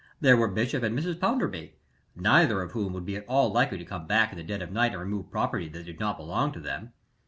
There were Bishop and Mrs. Pounderby, neither of whom would be at all likely to come back in the dead of night and remove property that did not belong to them.